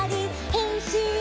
「へんしーん！！」